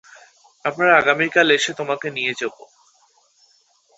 আমরা আগামীকাল এসে তোমাকে নিয়ে যাবো।